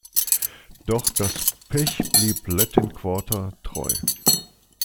Doch das Pech blieb "Latin Quarter" treu.